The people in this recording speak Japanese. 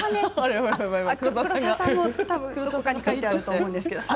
黒沢さんもどこかに書いてあるかと思うんですけれども。